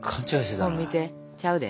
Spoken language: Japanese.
本見てちゃうで。